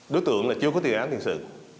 đối tượng là chưa có tiền án tiền sự